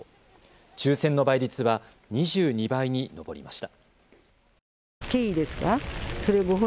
抽せんの倍率は２２倍に上りました。